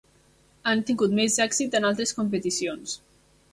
Han tingut més èxit en altres competicions.